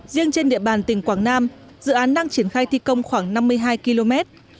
riêng trên địa bàn tỉnh quảng nam dự án đang triển khai thi công khoảng năm mươi hai km